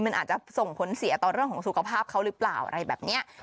มันอาจจะส่งผลเสียต่อเรื่องของสุขภาพเขาหรือเปล่าอะไรแบบนี้